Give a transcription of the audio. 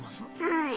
はい。